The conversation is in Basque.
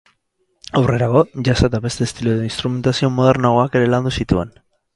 Aurrerago, jazza eta beste estilo edo instrumentazio modernoagoak ere landu zituen.